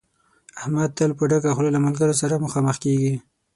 احمد تل په ډکه خوله له ملګرو سره مخامخ کېږي.